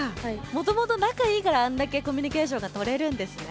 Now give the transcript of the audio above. もともと仲いいからあんだけコミュニケーションがとれるんですね。